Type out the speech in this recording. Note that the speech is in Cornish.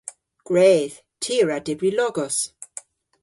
Gwredh. Ty a wra dybri logos.